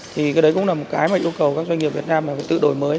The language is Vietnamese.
thì cái đấy cũng là một cái mà yêu cầu các doanh nghiệp việt nam là phải tự đổi mới